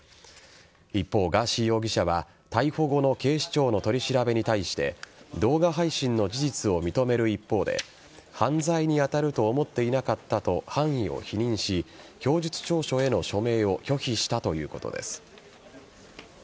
一方、ガーシー容疑者は逮捕後の警視庁の取り調べに対して動画配信の事実を認める一方で犯罪に当たると思っていなかったと犯意を否認し供述調書への署名を拒否したということです。